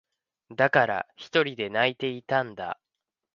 だから、ひとりで泣いていたんだ。